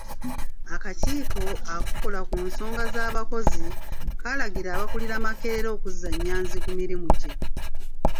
Akakiiko akakola ku nsonga z'abakozi kaalagira abakulira Makerere okuzza Nyanzi ku mirimu gye.